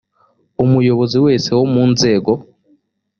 umuyobozi wese wo mu nzego